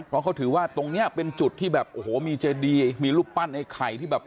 เพราะเขาถือว่าตรงเนี้ยเป็นจุดที่แบบโอ้โหมีเจดีมีรูปปั้นไอ้ไข่ที่แบบ